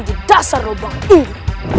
di dasar lubang ini